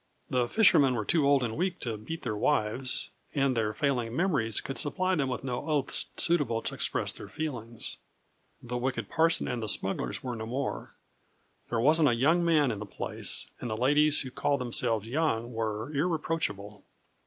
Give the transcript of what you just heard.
The fishermen were too old and weak to beat their wives, and their failing memories could supply them with no oaths suitable to express their feelings. The wicked parson and the smugglers were no more; there wasn't a young man in the place, and the ladies who called themselves young were irreproachable.